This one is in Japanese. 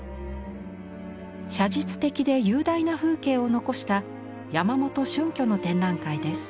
写実的で雄大な風景を残した山元春挙の展覧会です。